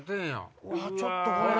ちょっとこれ。